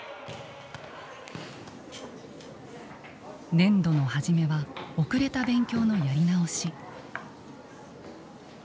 年度の初めは遅れた勉強のやり直し。